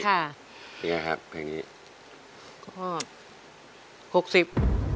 นี่ไงครับเพลงนี้ก็หกสิบ